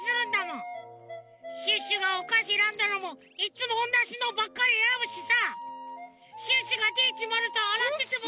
シュッシュがおかしえらんだのもいっつもおんなしのばっかりえらぶしさシュッシュがＤ１０３あらってても。